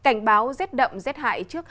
cảnh báo rét đậm rét hại trước hai ba ngày